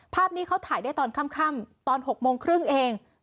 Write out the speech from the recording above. ภาพนี้เขาถ่ายได้ตอนค่ำตอน๖โมงครึ่งเอง